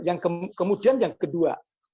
yang kemudian yang kedua